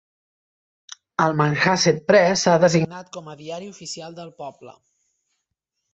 El Manhasset Press s'ha designat com a diari oficial del poble.